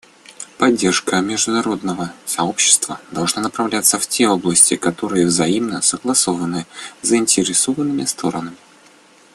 Поддержка международного сообщества должна направляться в те области, которые взаимно согласованы заинтересованными сторонами.